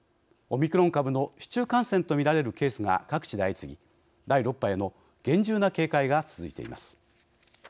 オミクロン株の市中感染とみられるケースが各地で相次ぎ第６波への厳重な警戒が続いています。